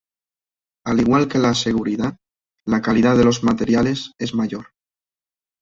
Al igual que la seguridad, la calidad de los materiales es mayor.